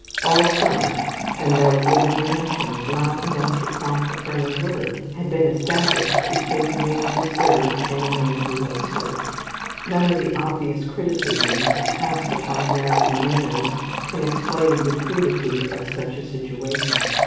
All summer, and no human relations, not enough to prompt a friendly word, had been established between the man who served and the man who was served. None of the obvious criticisms passed upon American manners can explain the crudity of such a situation.